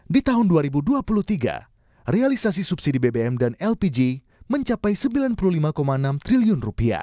di tahun dua ribu dua puluh tiga realisasi subsidi bbm dan lpg mencapai rp sembilan puluh lima enam triliun